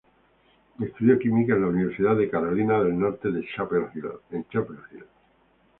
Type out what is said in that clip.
Estudió Química en la Universidad de Carolina del Norte en Chapel Hill.